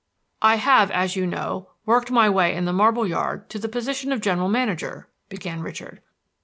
"I have, as you know, worked my way in the marble yard to the position of general manager," began Richard.